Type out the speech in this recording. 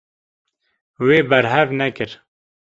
Wê berhev nekir.